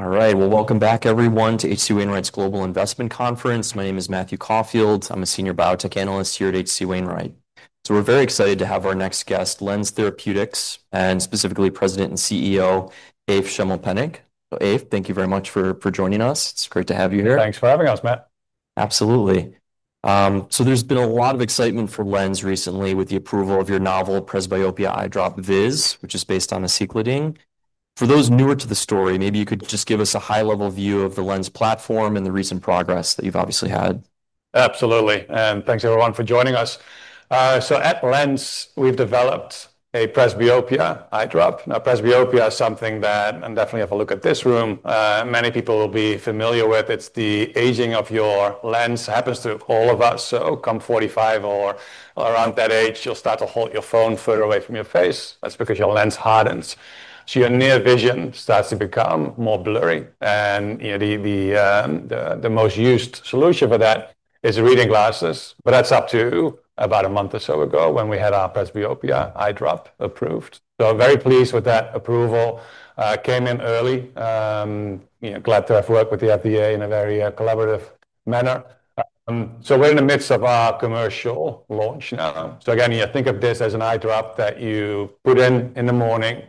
All right. Welcome back, everyone, to HC Wainwright's Global Investment Conference. My name is Matthew Caulfield. I'm a Senior Biotech Analyst here at HC Wainwright. We're very excited to have our next guest, LENZ Therapeutics, and specifically President and CEO Evert Schimmelpennink. Evert, thank you very much for joining us. It's great to have you here. Thanks for having us, Matthew. Absolutely. There's been a lot of excitement for LENZ recently with the approval of your novel presbyopia eyedrop Viz, which is based on aceclidine. For those newer to the story, maybe you could just give us a high-level view of the LENZ platform and the recent progress that you've obviously had. Absolutely. Thanks, everyone, for joining us. At LENZ Therapeutics, we've developed a presbyopia eyedrop. Presbyopia is something that, and definitely if I look at this room, many people will be familiar with. It's the aging of your lens. It happens to all of us. Come 45 or around that age, you'll start to hold your phone further away from your face. That's because your lens hardens, so your near vision starts to become more blurry. You know the most used solution for that is reading glasses. That's up to about a month or so ago when we had our presbyopia eyedrop approved. I'm very pleased with that approval. I came in early. I'm glad to have worked with the FDA in a very collaborative manner. We're in the midst of our commercial launch now. You think of this as an eyedrop that you put in in the morning,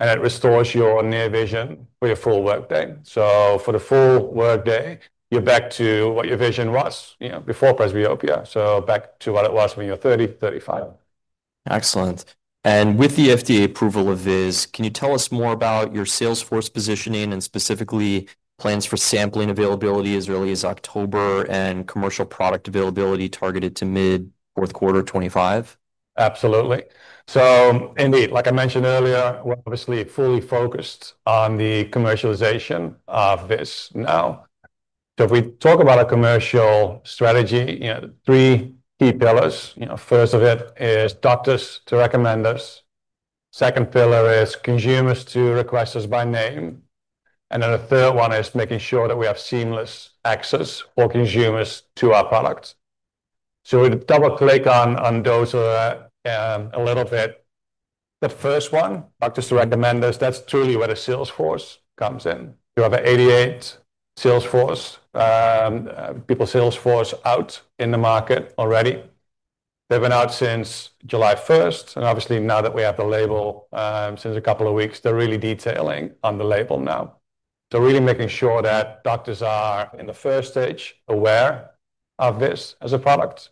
and it restores your near vision for your full workday. For the full workday, you're back to what your vision was before presbyopia, back to what it was when you were 30, 35. Excellent. With the FDA approval of Viz, can you tell us more about your salesforce positioning and specifically plans for sampling availability as early as October and commercial product availability targeted to mid-fourth quarter of 2025? Absolutely. Indeed, like I mentioned earlier, we're obviously fully focused on the commercialization of Viz now. If we talk about our commercial strategy, you know three key pillars. First of it is doctors to recommend us. The second pillar is consumers to request us by name. The third one is making sure that we have seamless access for consumers to our product. If we double-click on those a little bit, the first one, doctors to recommend us, that's truly where the salesforce comes in. We have 88 salesforce people out in the market already. They've been out since July 1. Obviously, now that we have the label since a couple of weeks, they're really detailing on the label now, really making sure that doctors are in the first stage aware of this as a product.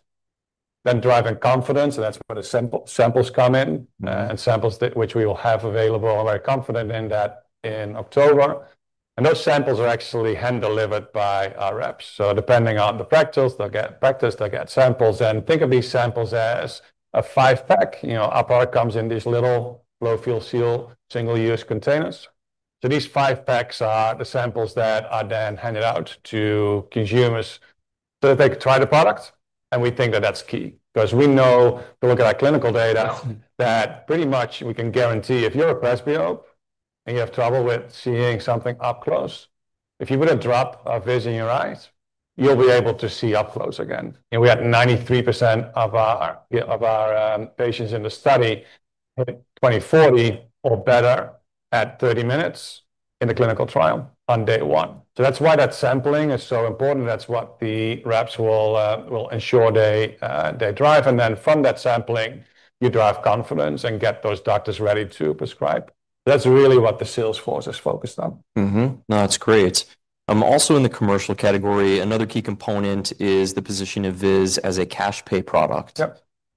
Driving confidence, that's where the samples come in, and samples which we will have available. We're very confident in that in October. Those samples are actually hand-delivered by our reps. Depending on the practice, they'll get samples. Think of these samples as a five-pack. Our product comes in these little low-fuel seal, single-use containers. These five packs are the samples that are then handed out to consumers so that they can try the product. We think that that's key because we know, if we look at our clinical data, that pretty much we can guarantee if you're a presbyope and you have trouble with seeing something up close, if you would drop a Viz in your eyes, you'll be able to see up close again. We had 93% of our patients in the study 20/40 or better at 30 minutes in the clinical trial on day one. That's why that sampling is so important. That's what the reps will ensure they drive. From that sampling, you drive confidence and get those doctors ready to prescribe. That's really what the salesforce is focused on. No, that's great. I'm also in the commercial category. Another key component is the position of Viz as a cash-pay product.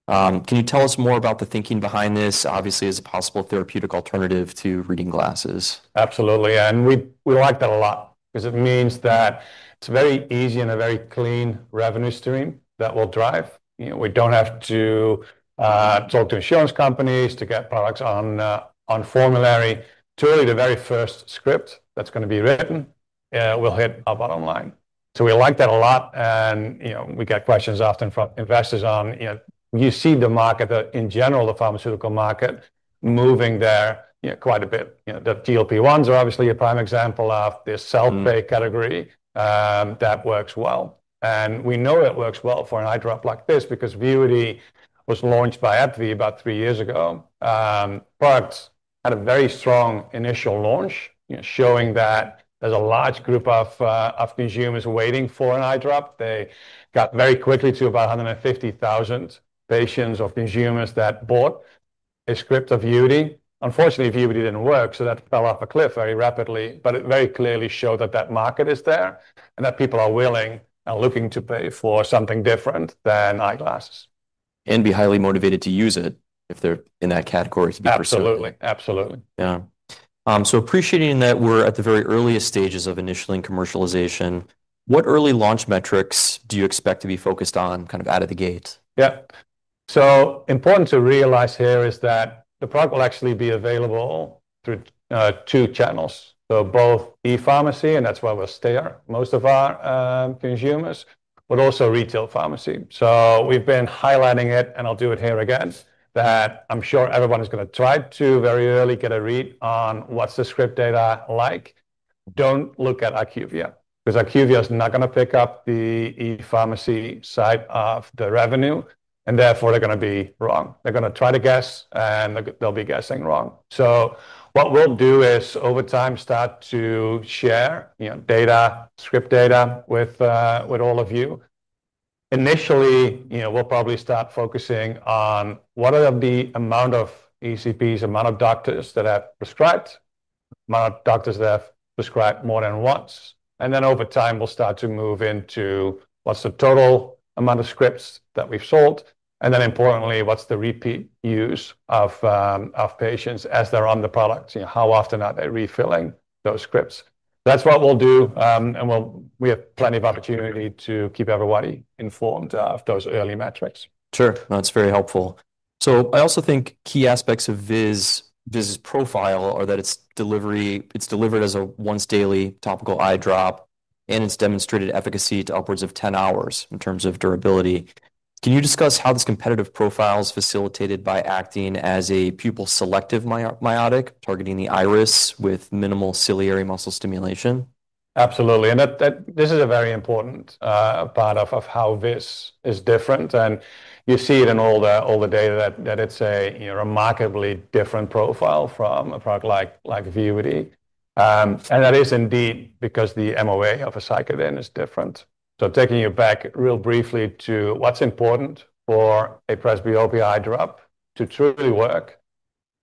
Can you tell us more about the thinking behind this? Obviously, it's a possible therapeutic alternative to reading glasses. Absolutely. We like that a lot because it means that it's a very easy and a very clean revenue stream that we'll drive. We don't have to talk to insurance companies to get products on formulary. It's really the very first script that's going to be written. We'll hit our bottom line. We like that a lot. We get questions often from investors on, you know, you see the market in general, the pharmaceutical market moving there quite a bit. The TLP1s are obviously a prime example of this self-pay category that works well. We know it works well for an eyedrop like this because Vuity was launched by AbbVie about three years ago. Products had a very strong initial launch, showing that there's a large group of consumers waiting for an eyedrop. They got very quickly to about 150,000 patients or consumers that bought a script of Vuity. Unfortunately, Vuity didn't work. That fell off a cliff very rapidly. It very clearly showed that that market is there and that people are willing and looking to pay for something different than eyeglasses. They be highly motivated to use it if they're in that category to be pursued. Absolutely. Absolutely. Yeah. Appreciating that we're at the very earliest stages of initial commercialization, what early launch metrics do you expect to be focused on out of the gate? Yeah. Important to realize here is that the product will actually be available through two channels. Both e-pharmacy, and that's where we'll steer most of our consumers, but also retail pharmacy. We've been highlighting it, and I'll do it here again, that I'm sure everyone is going to try to very early get a read on what's the script data like. Don't look at IQVIA because IQVIA is not going to pick up the e-pharmacy side of the revenue. Therefore, they're going to be wrong. They're going to try to guess, and they'll be guessing wrong. What we'll do is over time start to share data, script data with all of you. Initially, we'll probably start focusing on what are the amount of ECPs, amount of doctors that have prescribed, amount of doctors that have prescribed more than once. Over time, we'll start to move into what's the total amount of scripts that we've sold. Importantly, what's the repeat use of patients as they're on the product? How often are they refilling those scripts? That's what we'll do. We have plenty of opportunity to keep everybody informed of those early metrics. That's very helpful. I also think key aspects of Viz's profile are that it's delivered as a once-daily topical eyedrop, and it's demonstrated efficacy to upwards of 10 hours in terms of durability. Can you discuss how this competitive profile is facilitated by acting as a pupil-selective miotic, targeting the iris with minimal ciliary muscle stimulation? Absolutely. This is a very important part of how Viz is different. You see it in all the data that it's a remarkably different profile from a product like Vuity. That is indeed because the MOA of aceclidine is different. Taking you back real briefly to what's important for a presbyopia eyedrop to truly work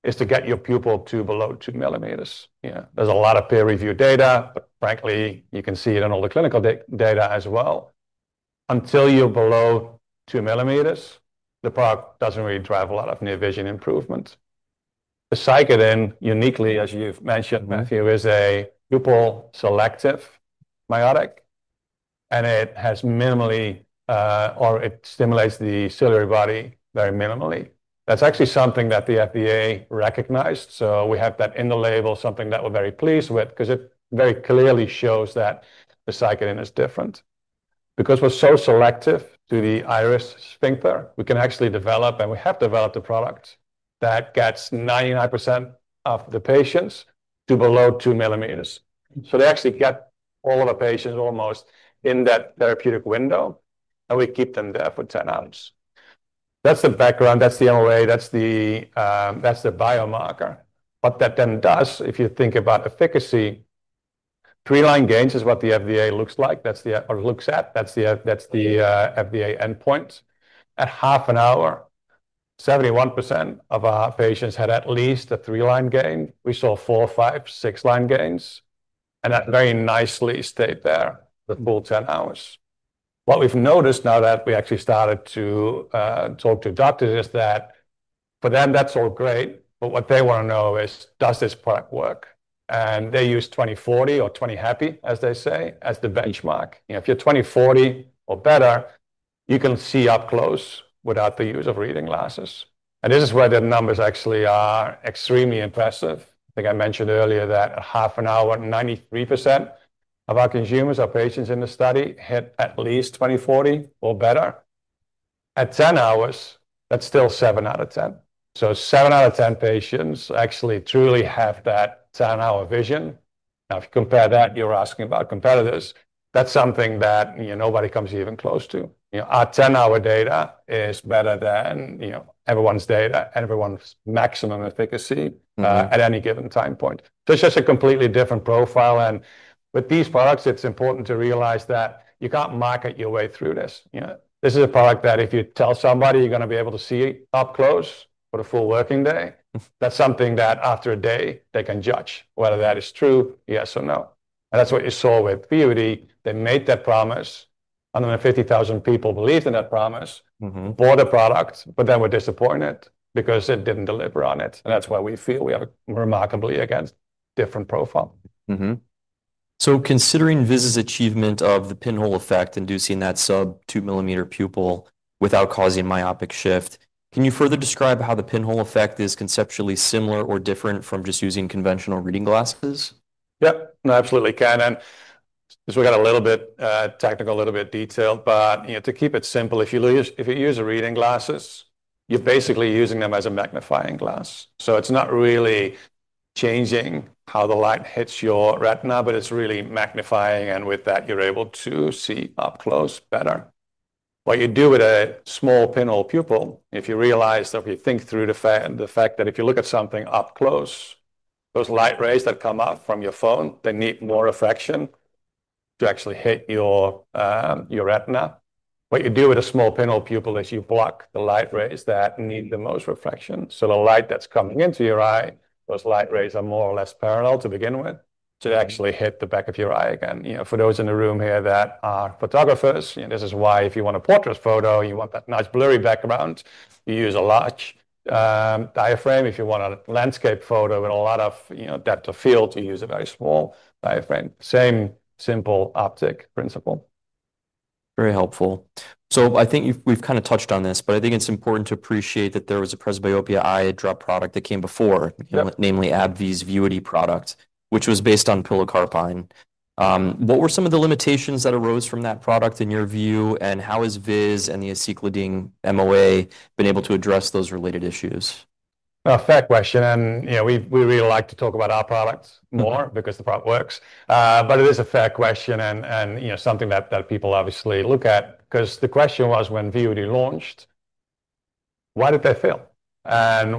is to get your pupil to below 2 millimeters. There's a lot of peer-reviewed data. Frankly, you can see it in all the clinical data as well. Until you're below 2 millimeters, the product doesn't really drive a lot of near vision improvement. The aceclidine, uniquely, as you've mentioned, Matthew, is a pupil-selective miotic. It stimulates the ciliary body very minimally. That's actually something that the FDA recognized. We have that in the label, something that we're very pleased with because it very clearly shows that the aceclidine is different. Because we're so selective to the iris sphincter, we can actually develop, and we have developed, a product that gets 99% of the patients to below 2 millimeters. They actually get all of our patients almost in that therapeutic window, and we keep them there for 10 hours. That's the background. That's the MOA. That's the biomarker. What that then does, if you think about efficacy, three-line gains is what the FDA looks at. That's the FDA endpoint. At half an hour, 71% of our patients had at least a three-line gain. We saw four, five, six-line gains, and that very nicely stayed there the full 10 hours. What we've noticed now that we actually started to talk to doctors is that for them, that's all great. What they want to know is, does this product work? They use 20/40 or 20/happy, as they say, as the benchmark. If you're 20/40 or better, you can see up close without the use of reading glasses. This is where the numbers actually are extremely impressive. I think I mentioned earlier that at half an hour, 93% of our consumers, our patients in the study, hit at least 20/40 or better. At 10 hours, that's still 7 out of 10. 7 out of 10 patients actually truly have that 10-hour vision. If you compare that, you're asking about competitors, that's something that nobody comes even close to. Our 10-hour data is better than everyone's data and everyone's maximum efficacy at any given time point. It's just a completely different profile. With these products, it's important to realize that you can't market your way through this. This is a product that if you tell somebody you're going to be able to see up close for the full working day, that's something that after a day, they can judge whether that is true, yes, or no. That's what you saw with Vuity. They made that promise. 150,000 people believed in that promise, bought a product, but then were disappointed because it didn't deliver on it. That's why we feel we have a remarkably different profile. Considering Viz's achievement of the pinhole effect, inducing that sub-2-millimeter pupil without causing a myopic shift, can you further describe how the pinhole effect is conceptually similar or different from just using conventional reading glasses? Yeah, no, absolutely can. This will get a little bit technical, a little bit detailed. To keep it simple, if you use reading glasses, you're basically using them as a magnifying glass. It's not really changing how the light hits your retina, it's really magnifying. With that, you're able to see up close better. What you do with a small pinhole pupil, if you realize that, if you think through the fact that if you look at something up close, those light rays that come up from your phone, they need more reflection to actually hit your retina. What you do with a small pinhole pupil is you block the light rays that need the most reflection. The light that's coming into your eye, those light rays are more or less parallel to begin with to actually hit the back of your eye. For those in the room here that are photographers, you know this is why if you want a portrait photo, you want that nice blurry background, you use a large diaphragm. If you want a landscape photo with a lot of depth of field, you use a very small diaphragm. Same simple optic principle. Very helpful. I think we've kind of touched on this, but I think it's important to appreciate that there was a presbyopia eyedrop product that came before, namely AbbVie's Vuity product, which was based on pilocarpine. What were some of the limitations that arose from that product in your view? How has Viz and the aceclidine MOA been able to address those related issues? Fair question. You know, we really like to talk about our product more because the product works. It is a fair question and something that people obviously look at because the question was when Vuity launched, why did they fail?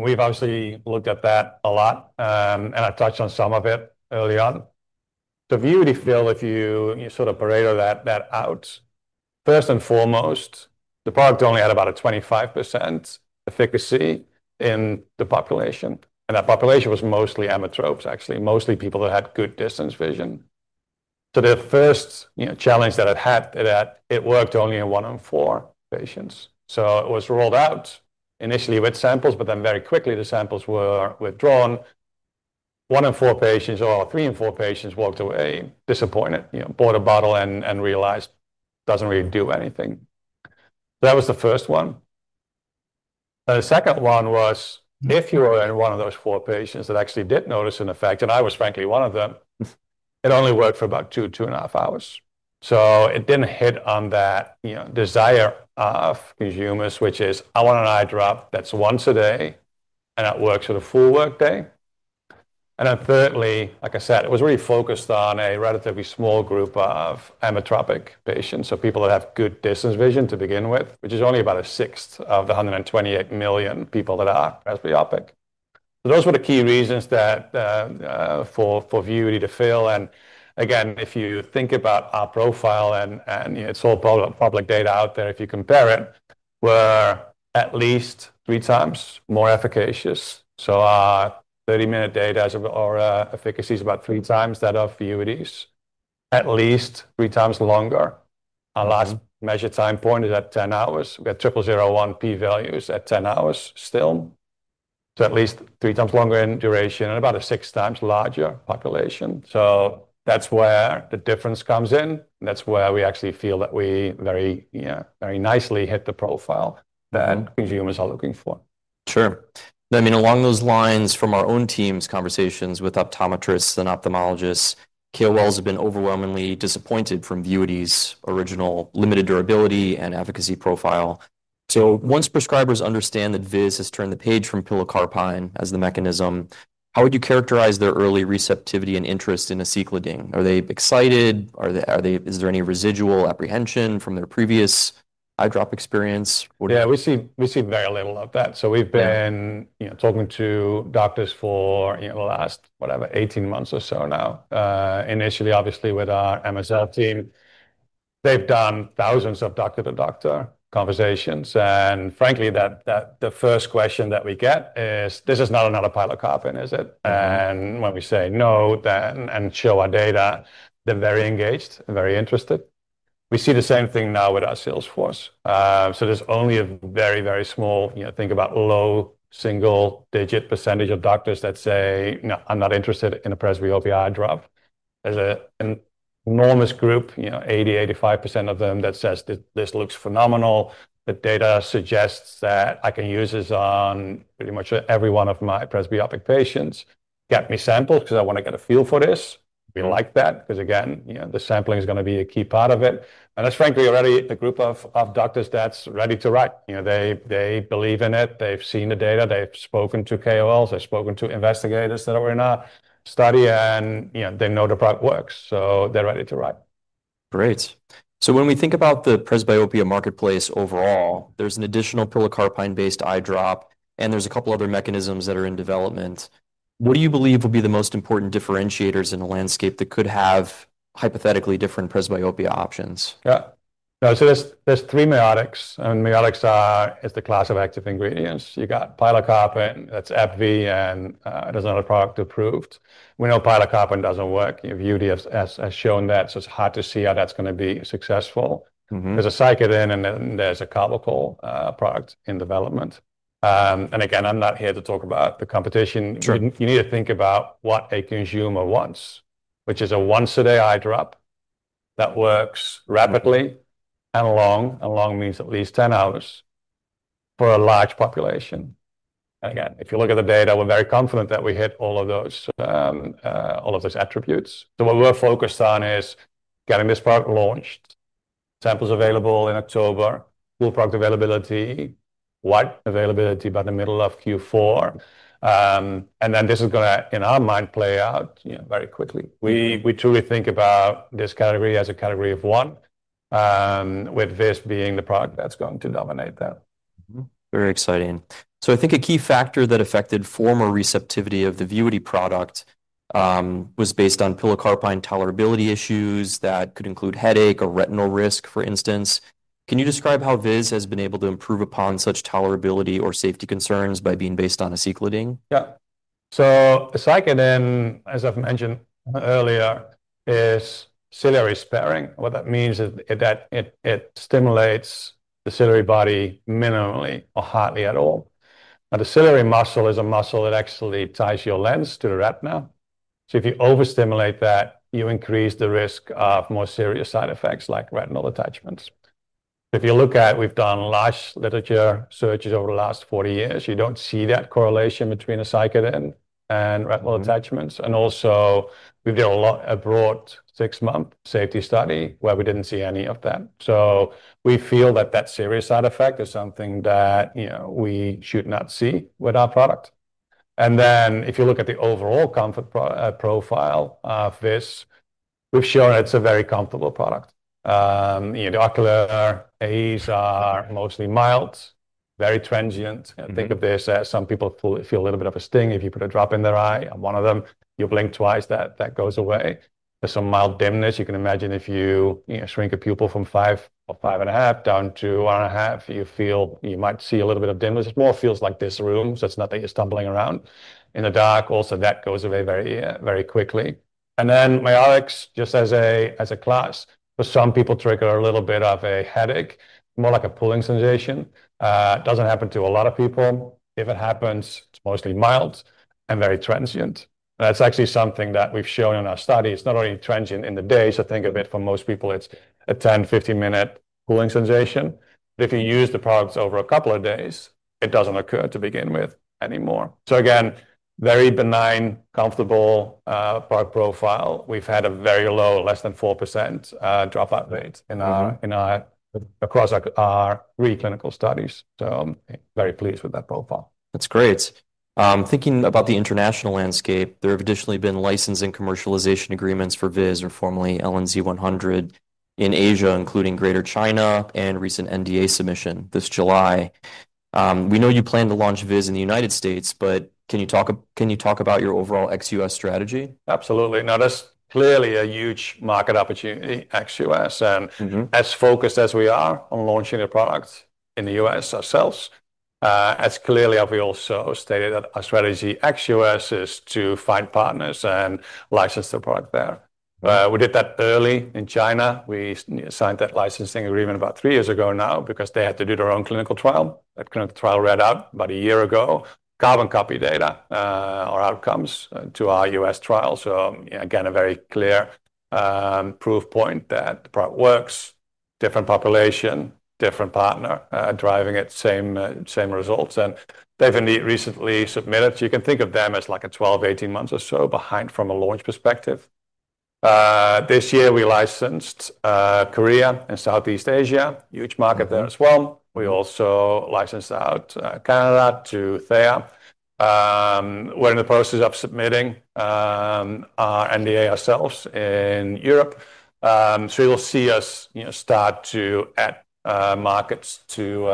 We've obviously looked at that a lot. I touched on some of it early on. Vuity failed if you sort of parade that out. First and foremost, the product only had about a 25% efficacy in the population, and that population was mostly emmetropes, actually, mostly people that had good distance vision. The first challenge that it had, it worked only in one in four patients. It was rolled out initially with samples, but then very quickly, the samples were withdrawn. One in four patients, or three in four patients, walked away disappointed, bought a bottle, and realized it doesn't really do anything. That was the first one. The second one was if you were in one of those four patients that actually did notice an effect, and I was frankly one of them, it only worked for about two, two and a half hours. It didn't hit on that desire of consumers, which is, I want an eyedrop that's once a day, and it works for the full workday. Thirdly, like I said, it was really focused on a relatively small group of emmetropic patients, so people that have good distance vision to begin with, which is only about a sixth of the 128 million people that are presbyopic. Those were the key reasons for Vuity to fail. Again, if you think about our profile, and it's all public data out there, if you compare it, we're at least three times more efficacious. Our 30-minute data or efficacy is about three times that of Vuity's, at least three times longer. Our last measured time point is at 10 hours. We have triple 0.01 P values at 10 hours still. At least three times longer in duration and about a six times larger population. That's where the difference comes in. That's where we actually feel that we very nicely hit the profile that consumers are looking for. Sure. I mean, along those lines, from our own team's conversations with optometrists and ophthalmologists, they have been overwhelmingly disappointed from Vuity's original limited durability and efficacy profile. Once prescribers understand that Viz has turned the page from pilocarpine as the mechanism, how would you characterize their early receptivity and interest in aceclidine? Are they excited? Is there any residual apprehension from their previous eyedrop experience? Yeah, we see very little of that. We have been talking to doctors for the last, whatever, 18 months or so now. Initially, obviously, with our MSL team, they've done thousands of doctor-to-doctor conversations. Frankly, the first question that we get is, this is not another pilocarpine, is it? When we say no, and show our data, they're very engaged and very interested. We see the same thing now with our salesforce. There is only a very, very small, you know, think about low single-digit % of doctors that say, no, I'm not interested in a presbyopia eyedrop. There is an enormous group, you know, 80, 85% of them that says this looks phenomenal. The data suggests that I can use this on pretty much every one of my presbyopic patients. Get me samples because I want to get a feel for this. We like that because, again, the sampling is going to be a key part of it. That is frankly already the group of doctors that's ready to write. They believe in it. They've seen the data. They've spoken to investigators that are in our study. They know the product works. They're ready to write. Great. When we think about the presbyopia marketplace overall, there's an additional pilocarpine-based eyedrop. There's a couple of other mechanisms that are in development. What do you believe will be the most important differentiators in the landscape that could have hypothetically different presbyopia options? Yeah. No, so there's three miotics. Miotics is the class of active ingredients. You've got pilocarpine, that's AbbVie, and there's another product approved. We know pilocarpine doesn't work. Vuity has shown that. It's hard to see how that's going to be successful. There's aceclidine, and then there's a clavicle product in development. Again, I'm not here to talk about the competition. You need to think about what a consumer wants, which is a once-a-day eyedrop that works rapidly and long. Long means at least 10 hours for a large population. If you look at the data, we're very confident that we hit all of those attributes. What we're focused on is getting this product launched, samples available in October, full product availability, wide availability by the middle of Q4. This is going to, in our mind, play out very quickly. We truly think about this category as a category of one, with Viz being the product that's going to dominate that. Very exciting. I think a key factor that affected former receptivity of the Vuity product was based on pilocarpine tolerability issues that could include headache or retinal risk, for instance. Can you describe how Viz has been able to improve upon such tolerability or safety concerns by being based on aceclidine? Yeah. So aceclidine, as I've mentioned earlier, is ciliary sparing. What that means is that it stimulates the ciliary body minimally or hardly at all. Now, the ciliary muscle is a muscle that actually ties your lens to the retina. If you overstimulate that, you increase the risk of more serious side effects like retinal detachments. If you look at, we've done large literature searches over the last 40 years, you don't see that correlation between aceclidine and retinal detachments. Also, we did a broad six-month safety study where we didn't see any of that. We feel that that serious side effect is something that we should not see with our product. If you look at the overall comfort profile of Viz, we've shown it's a very comfortable product. The ocular haze are mostly mild, very transient. Think of this as some people feel a little bit of a sting if you put a drop in their eye. One of them, you blink twice, that goes away. There's some mild dimness. You can imagine if you shrink a pupil from 5 or 5.5 down to 1.5, you feel you might see a little bit of dimness. It more feels like this room. It's not that you're stumbling around in the dark. Also, that goes away very, very quickly. Miotics, just as a class, for some people trigger a little bit of a headache, more like a pulling sensation. It doesn't happen to a lot of people. If it happens, it's mostly mild and very transient. That's actually something that we've shown in our study. It's not only transient in the day. Think of it, for most people, it's a 10, 15-minute pulling sensation. If you use the product over a couple of days, it doesn't occur to begin with anymore. Again, very benign, comfortable product profile. We've had a very low, less than 4% dropout rate across our three clinical studies. Very pleased with that profile. That's great. Thinking about the international landscape, there have additionally been licensing commercialization agreements for Viz, or formerly LNZ100, in Asia, including Greater China and recent NDA submission this July. We know you plan to launch Viz in the U.S., but can you talk about your overall ex-U.S. strategy? Absolutely. Now, that's clearly a huge market opportunity, ex-U.S. As focused as we are on launching a product in the U.S. ourselves, as clearly as we also stated that our strategy ex-U.S. is to find partners and license the product there. We did that early in Greater China. We signed that licensing agreement about three years ago now because they had to do their own clinical trial. That clinical trial read out about a year ago, carbon copy data, our outcomes to our U.S. trial. Again, a very clear proof point that the product works, different population, different partner driving it, same results. They've indeed recently submitted. You can think of them as like a 12, 18 months or so behind from a launch perspective. This year, we licensed Korea and Southeast Asia, huge market there as well. We also licensed out Canada to Thayer. We're in the process of submitting our NDA ourselves in Europe. You'll see us start to add markets to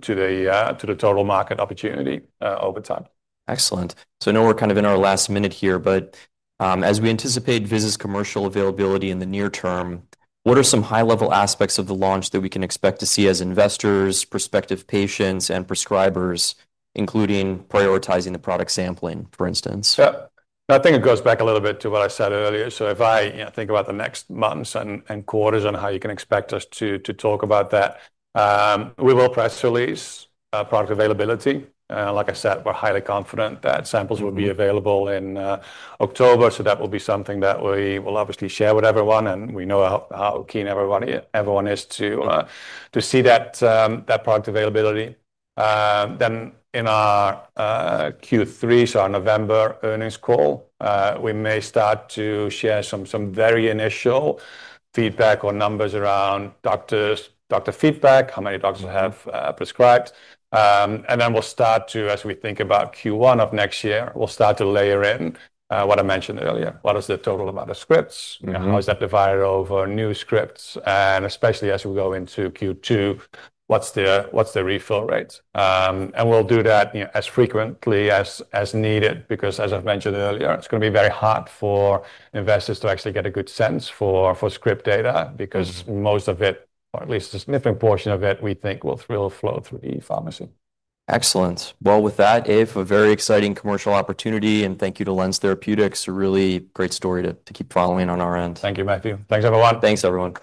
the total market opportunity over time. Excellent. I know we're kind of in our last minute here, but as we anticipate Viz's commercial availability in the near term, what are some high-level aspects of the launch that we can expect to see as investors, prospective patients, and prescribers, including prioritizing the product sampling, for instance? Yeah. I think it goes back a little bit to what I said earlier. If I think about the next months and quarters and how you can expect us to talk about that, we will press release product availability. Like I said, we're highly confident that samples will be available in October. That will be something that we will obviously share with everyone. We know how keen everyone is to see that product availability. In our Q3, our November earnings call, we may start to share some very initial feedback or numbers around doctor feedback, how many doctors have prescribed. As we think about Q1 of next year, we'll start to layer in what I mentioned earlier. What is the total amount of scripts? How is that divided over new scripts? Especially as we go into Q2, what's the refill rate? We'll do that as frequently as needed because, as I've mentioned earlier, it's going to be very hard for investors to actually get a good sense for script data because most of it, or at least a significant portion of it, we think will flow through e-pharmacy. Excellent. With that, Evert, a very exciting commercial opportunity. Thank you to LENZ Therapeutics. A really great story to keep following on our end. Thank you, Matthew. Thanks, everyone. Thanks, everyone.